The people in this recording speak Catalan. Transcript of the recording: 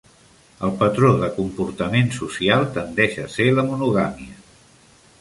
El patró de comportament social tendeix a ser la monogàmia.